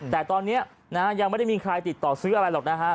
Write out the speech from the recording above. แต่ตอนนี้ยังไม่ได้มีใครติดต่อซื้ออะไรหรอกนะฮะ